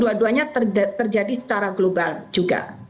dua duanya terjadi secara global juga